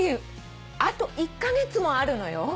あと１カ月もあるのよ。